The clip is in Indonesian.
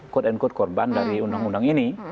kut en kut korban dari undang undang ini